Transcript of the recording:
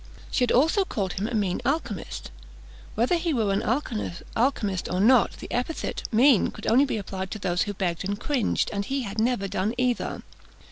She had also called him a mean alchymist. Whether he were an alchymist or not, the epithet mean could only be applied to those who begged and cringed, and he had never done either.